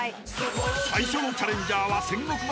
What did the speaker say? ［最初のチャレンジャーは］